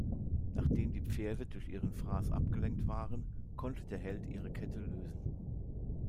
Nachdem die Pferde durch ihren Fraß abgelenkt waren, konnte der Held ihre Kette lösen.